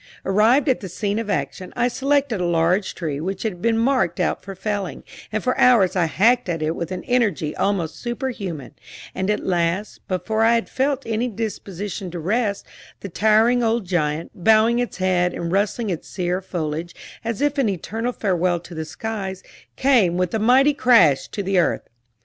Arrived at the scene of action, I selected a large tree which had been marked out for felling, and for hours I hacked at it with an energy almost superhuman; and at last, before I had felt any disposition to rest, the towering old giant, bowing its head and rustling its sere foliage as if in eternal farewell to the skies, came with a mighty crash to the earth.